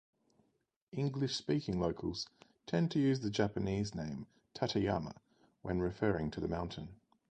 English-speaking locals tend to use the Japanese name Tateyama when referring to the mountain.